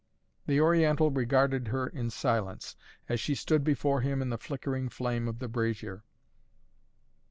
The Oriental regarded her in silence, as she stood before him in the flickering flame of the brazier.